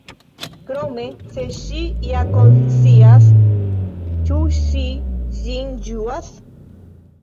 Krome, se ŝi ja konscias, ĉu ŝi ĝin ĝuas?